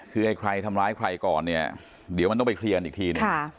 คือไอ้ใครทำร้ายใครก่อนเนี่ยเดี๋ยวมันต้องไปเคลียร์กันอีกทีหนึ่ง